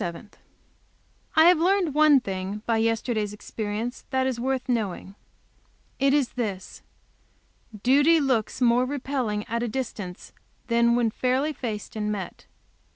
I have learned one thing by yesterday's experience that is worth knowing. It is this: duty looks more repelling at a distance than when fairly faced and met.